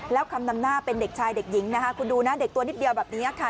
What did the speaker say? แล้วคำนำหน้าเป็นเด็กชายเด็กหญิงนะคะคุณดูนะเด็กตัวนิดเดียวแบบนี้ค่ะ